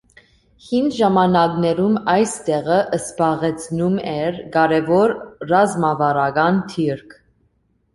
Հին ժամանակներում այս տեղը զբաղեցնում էր կարևոր ռազմավարական դիրք։